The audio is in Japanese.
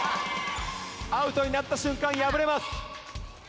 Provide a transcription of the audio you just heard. アウトになった瞬間敗れます。